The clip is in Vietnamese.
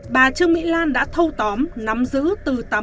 bà trương mỹ lan đã thâu tóm nắm giữ từ tám mươi năm đến chín mươi một năm cổ phẩm